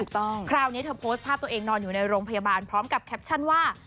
คราวนี้เธอโพสต์ภาพตัวเองนอนอยู่ในโรงพยาบาลพร้อมกับแคปชั่นว่า